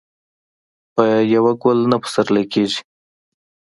په يو ګل نه پسرلی کيږي.